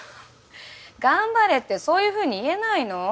頑張れってそういうふうに言えないの？